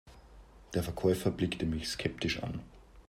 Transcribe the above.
Der Verkäufer blickte mich skeptisch an.